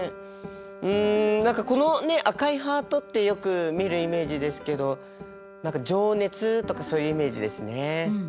うん何かこの赤いハートってよく見るイメージですけど何か情熱とかそういうイメージですね。